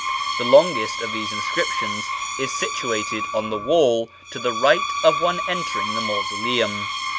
The longest of these inscriptions is situated on the wall to the right of one entering the mausoleum.